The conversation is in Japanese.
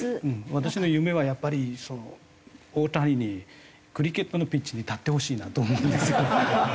私の夢はやっぱり大谷にクリケットのピッチに立ってほしいなと思うんですよ。